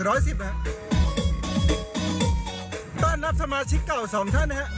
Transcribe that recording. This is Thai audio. ต้อนรับสมาชิกเก่า๒ท่าน